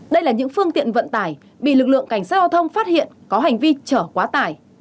đây là những phương tiện vận tải bị lực lượng cảnh sát giao thông phát hiện có hành vi chở quá tải